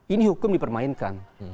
ini hukum dipermainkan